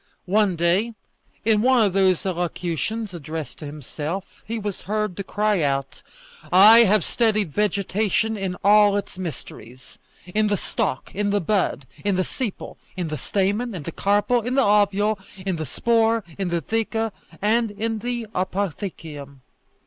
One day, in one of these allocutions addressed to himself, he was heard to cry out, "I have studied vegetation in all its mysteries in the stalk, in the bud, in the sepal, in the stamen, in the carpel, in the ovule, in the spore, in the theca, and in the apothecium.